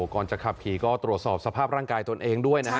ก่อนจะขับขี่ก็ตรวจสอบสภาพร่างกายตนเองด้วยนะฮะ